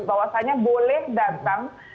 bahwasannya boleh datang